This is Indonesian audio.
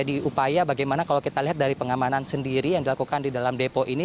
jadi ini menjadi upaya bagaimana kalau kita lihat dari pengamanan sendiri yang dilakukan di dalam depo ini